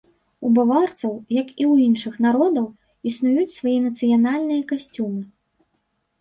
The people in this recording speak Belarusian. У баварцаў, як і ў іншых народаў, існуюць свае нацыянальныя касцюмы.